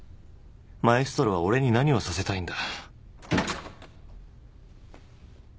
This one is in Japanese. マエストロは俺に何をさせたいんだ？